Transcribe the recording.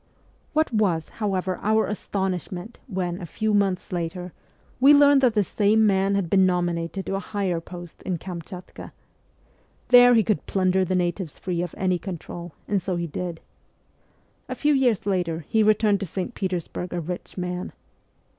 What was, however, our astonishment when, a few months later, we learned that this same man had been nominated to a higher post in Kamchatka ! There he could plunder the natives free of any control, and so he did. A few years later he returned to St. Petersburg a rich man.